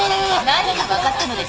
何が分かったのですか？